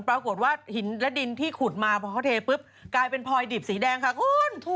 ไปขุดมาพอเขาเทปุ๊บกลายเป็นพลอยดิบสีแดงค่ะคุณ